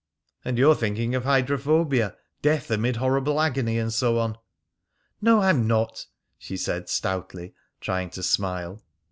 "And you're thinking of hydrophobia, death amid horrible agony, and so on." "No, I'm not," she said stoutly, trying to smile.